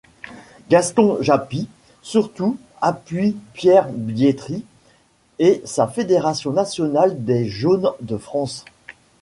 Gaston Japy, surtout, appuie Pierre Biétry et sa Fédération nationale des Jaunes de France.